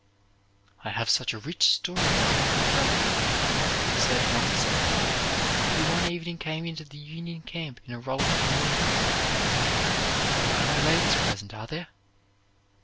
"I have such a rich story that I want to tell you," said an officer, who one evening came into the Union camp in a rollicking mood. "There are no ladies present, are there?"